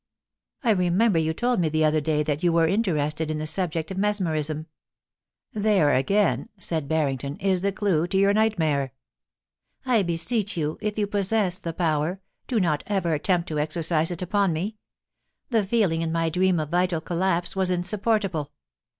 I remember you told me the other day that you were interested in the sub ject of mesmerism.* * There again/ said Barrington, *is the clue to your night mare.' * I beseech you, if you possess the power, do not ever attempt to exercise it upon me. The feeling in my dream of vital collapse was insupportable.